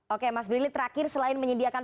oke mas brili terakhir selain menyediakan